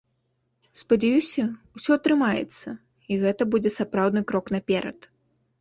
Спадзяюся, усё атрымаецца, і гэта будзе сапраўдны крок наперад.